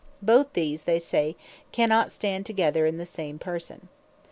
Both these they say cannot stand together in the same person.